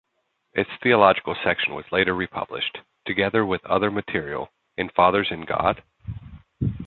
Its theological section was later republished, together with other material, in Fathers in God?